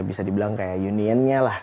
bisa dibilang kayak unionnya lah